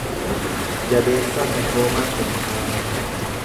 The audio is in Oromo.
Jabeessaa Taashoomaa Kumsaa